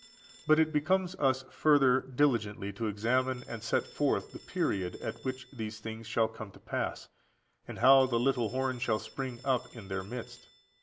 But it becomes us further diligently to examine and set forth the period at which these things shall come to pass, and how the little horn shall spring up in their midst.